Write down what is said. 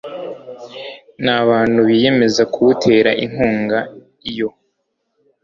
n abantu biyemeza kuwutera inkunga iyo